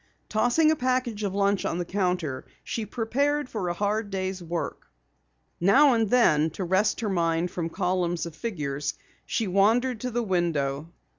Tossing a package of lunch on the counter, she prepared for a hard day's work. Now and then, to rest her mind from columns of figures, she wandered to the window.